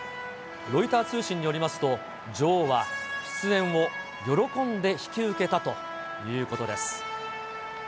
ロイター通信によりますと、女王は出演を喜んで引き受けたということです。